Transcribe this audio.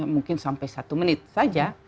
mungkin sampai satu menit saja